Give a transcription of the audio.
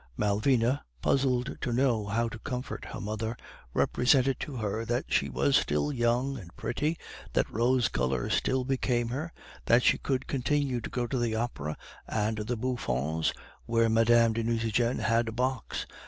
"Malvina, puzzled to know how to comfort her mother, represented to her that she was still young and pretty, that rose color still became her, that she could continue to go to the Opera and the Bouffons, where Mme. de Nucingen had a box.